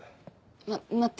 ま待って。